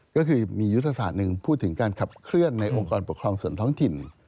ก็คือมียุทธศาสตร์หนึ่งพูดถึงการขับเคลื่อนในองค์กรปกครองส่วนท้องถิ่น